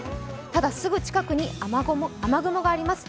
ただ、すぐ近くに雨雲があります。